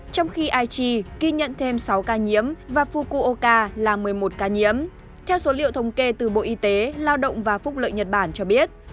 trong khi aichi ghi nhận thêm sáu ca nhiễm và fukuoka là một mươi một ca nhiễm theo số liệu thống kê từ bộ y tế lao động và phúc lợi nhật bản cho biết